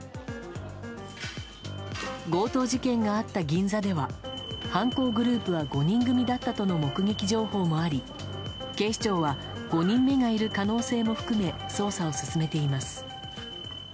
強盗事件があった銀座では犯行グループは５人組だったとの目撃情報もあり警視庁は５人目がいる可能性も含め捜査を進めています。